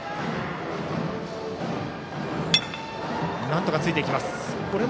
なんとかついていきます。